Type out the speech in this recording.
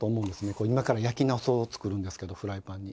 これ今から焼きなすを作りますけどフライパンに。